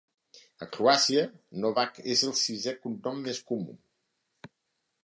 A Croàcia, Novak és el sisè cognom més comú.